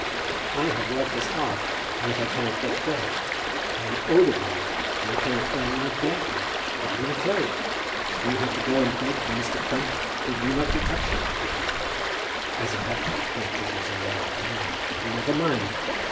"I have worked as hard, and yet I cannot get bread. I am older than you, and I cannot earn my bare bread. Look at my clothes. If you had to go and beg from Mr. Crump, would not you be touchy?" "As it happens, Crump isn't so well off as I am." "Never mind.